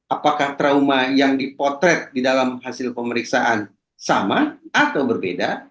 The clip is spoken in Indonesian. apakah trauma yang dipotret di dalam hasil pemeriksaan sama atau berbeda